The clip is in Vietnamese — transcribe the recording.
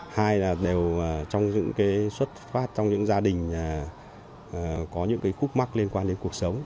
hai là đều trong những cái xuất phát trong những gia đình có những cái khúc mắc liên quan đến cuộc sống